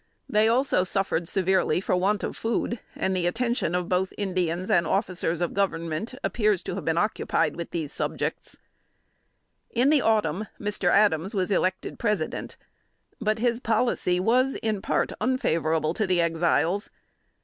They also suffered severely for the want of food, and the attention of both Indians and officers of Government appears to have been occupied with these subjects. [Sidenote: 1825.] In the autumn, Mr. Adams was elected President. But his policy was in part unfavorable to the Exiles.